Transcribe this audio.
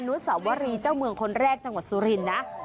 นุสวรีเจ้าเมืองคนแรกจังหวัดสุรินทร์นะ